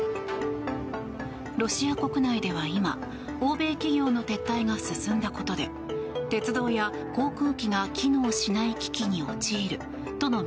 ロシア国内では今欧米企業の撤退が進んだことで鉄道や航空機のが機能しない危機に陥るとの